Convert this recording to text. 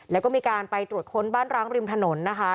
แล้วก็มีการไปตรวจค้นบ้านร้างริมถนนนะคะ